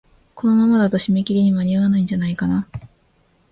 このままだと、締め切りに間に合わないんじゃないかなあ。